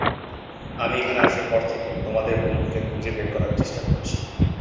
আমি এখানে আসার পর থেকে, তোমাদের বন্ধুকে খুঁজে বের করার চেষ্টা করছি।